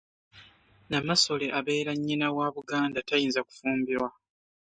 Namasole abeera nnyina wa Buganda tayinza kufumbirwa.